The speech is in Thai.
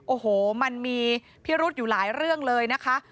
โอ้โหมันมีพิรุธอยู่หลายเรื่องเลยนะคะ